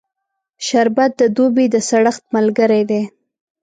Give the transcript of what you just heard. شربت د دوبی د سړښت ملګری دی